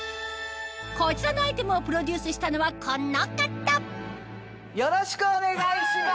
こちらのアイテムをプロデュースしたのはこの方よろしくお願いします！